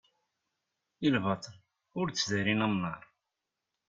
i lbaṭel ur tteddarin amnaṛ